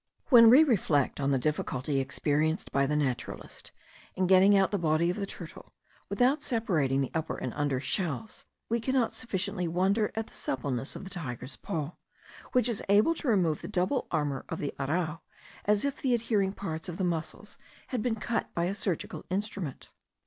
When we reflect on the difficulty experienced by the naturalist in getting out the body of the turtle without separating the upper and under shells, we cannot sufficiently wonder at the suppleness of the tiger's paw, which is able to remove the double armour of the arrau, as if the adhering parts of the muscles had been cut by a surgical instrument.